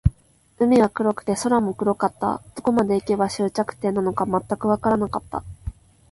海は黒くて、空も黒かった。どこまで行けば、終着点なのか全くわからなかった。